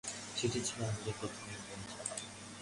সেটা ছিল আমার প্রথম ইংল্যান্ড যাওয়া।